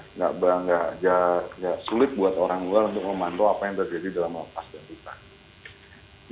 nggak sulit buat orang luar untuk memantau apa yang terjadi dalam lapas dan hutan